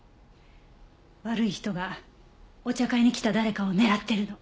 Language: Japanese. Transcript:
悪い人がお茶会に来た誰かを狙ってるの。